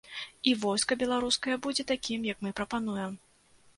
І войска беларускае будзе такім, як мы прапануем.